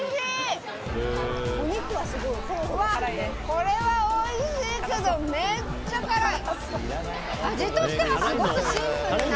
これはおいしいけどめっちゃ辛い！